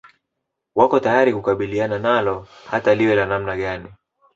Wako tayari kukabiliana nalo hata liwe la namna gani